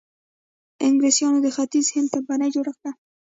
انګلیسانو د ختیځ هند کمپنۍ جوړه کړه.